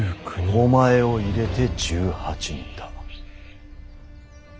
お前を入れて１８人だ。